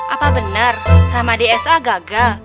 apa benar ramadhi sa gagal